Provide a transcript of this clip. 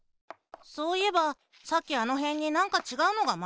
そういえばさっきあのへんになんかちがうのがまぎれてたな。